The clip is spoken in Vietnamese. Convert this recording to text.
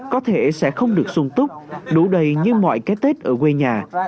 có thể sẽ không được sung túc đủ đầy như mọi cái tết ở quê nhà